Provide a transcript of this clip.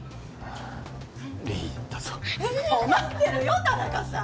困ってるよ田中さん。